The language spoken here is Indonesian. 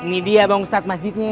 ini dia bang ustadz masjidnya